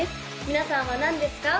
皆さんは何ですか？